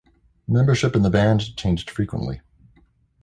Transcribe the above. Membership in the band changed frequently.